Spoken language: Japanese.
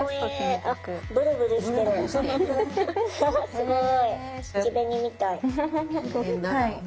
すごい。